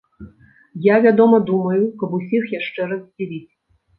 Я, вядома, думаю, каб усіх яшчэ раз здзівіць.